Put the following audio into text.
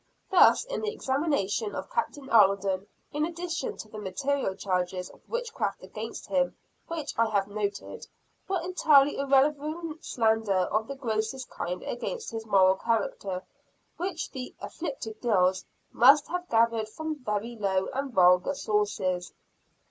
Thus in the examination of Captain Alden in addition to the material charges of witchcraft against him, which I have noted, were entirely irrelevant slanders of the grossest kind against his moral character which the "afflicted girls" must have gathered from very low and vulgar sources.